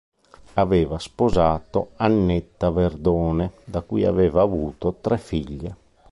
Aveva sposato Annetta Verdone da cui aveva avuto tre figlie.